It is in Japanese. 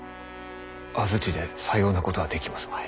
安土でさようなことはできますまい。